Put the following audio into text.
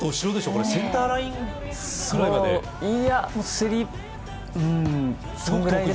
これセンターラインぐらいまで？